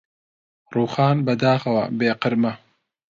ڕووخان بەداخەوە بێ قرمە